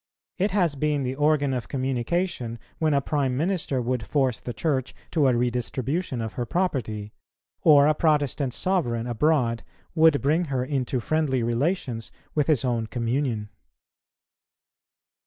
It has been the organ of communication, when a Prime Minister would force the Church to a redistribution of her property, or a Protestant Sovereign abroad would bring her into friendly relations with his own communion.